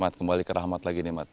mat kembali ke rahmat lagi nih mat